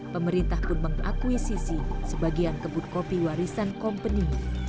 pemerintah pun mengakuisisi sebagian kebun kopi warisan kompeni